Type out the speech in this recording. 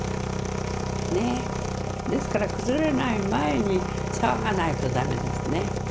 ですから崩れない前に騒がないと駄目ですね。